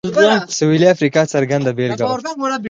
سوېلي افریقا څرګنده بېلګه وه.